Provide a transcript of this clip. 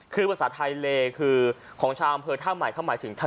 ที่บ้านครับแล้วก็ผมเลยคิดว่าจะทำหน้าเกลือ